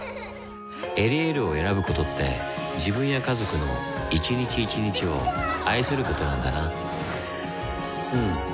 「エリエール」を選ぶことって自分や家族の一日一日を愛することなんだなうん。